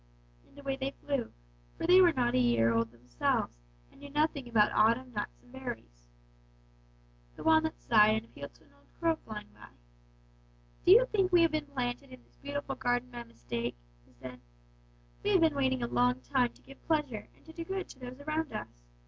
"And away they flew, for they were not a year old themselves, and knew nothing about autumn nuts and berries. "The walnuts sighed and appealed to an old crow flying by. "'Do you think we have been planted in this beautiful garden by mistake?' they said. 'We have been waiting a long time to give pleasure and to do good to those around us.